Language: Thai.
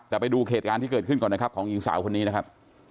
แต่ไปดูเหตุการณ์ที่เกิดขึ้นก่อนนะครับของหญิงสาวคนนี้นะครับ